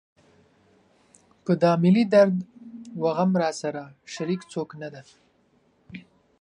په دا ملي درد و غم راشریک څوک نه ده.